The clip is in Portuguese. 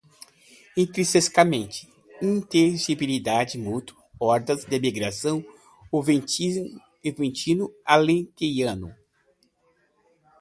intrinsecamente, inteligibilidade mútua, hordas de migração, oliventino, alentejano